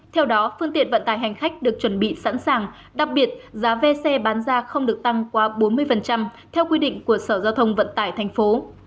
theo đó phương tiện vận tải hành khách được chuẩn bị sẵn sàng đặc biệt giá ve xe bán ra không được tăng qua bốn mươi theo quy định của sở giao thông vận tải thành phố